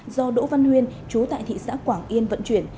do đỗ văn huyên chú tại thị xã quảng yên vận chuyển